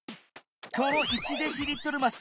この１デシリットルます